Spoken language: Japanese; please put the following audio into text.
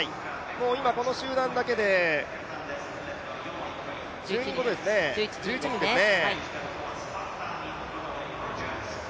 今、この集団だけで１１人ですね。